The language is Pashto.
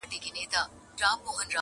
کليوال ژوند بدل ښکاري ظاهراً,